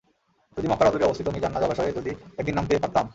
যদি মক্কার অদূরে অবস্থিত মিজান্না জলাশয়ে যদি একদিন নামতে পারতাম।